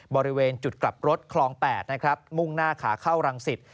บริเวณจุดกลับรถคลอง๘มุ่งหน้าขาเข้ารังศิษฐ์